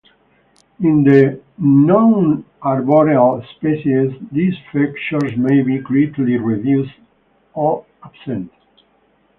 In the nonarboreal species, these features may be greatly reduced, or absent.